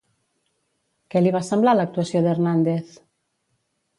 Què li va semblar l'actuació d'Hernández?